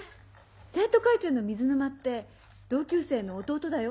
生徒会長の水沼って同級生の弟だよ。